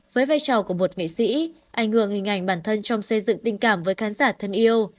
với vai trò của một nghị sĩ anh hương hình ảnh bản thân trong xây dựng tình cảm với khán giả thân yêu